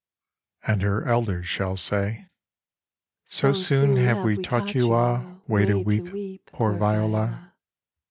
And her elders shall say: So soon have we taught you a Way to weep, poor Viola!